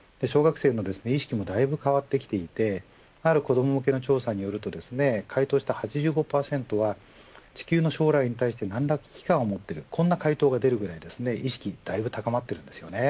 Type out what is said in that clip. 小学生の意識もだいぶ変わってきていてある子ども向けの調査によると回答した８５％は地球の将来に対して危機感を持っているこんな回答が出るぐらい意識がだいぶ高まっています。